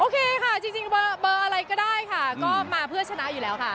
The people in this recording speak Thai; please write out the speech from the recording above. ค่ะจริงเบอร์อะไรก็ได้ค่ะก็มาเพื่อชนะอยู่แล้วค่ะ